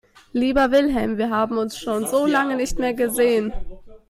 Lieber Wilhelm, wir haben uns schon so lange nicht mehr gesehen.